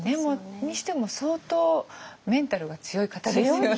にしても相当メンタルが強い方ですよね。